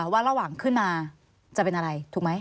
สวัสดีค่ะที่จอมฝันครับ